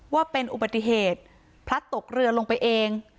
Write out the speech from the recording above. ว่าเป็นอุบัติเหตุพลัดตกเรือลงไปเอง